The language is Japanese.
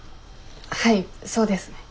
はいそうですね。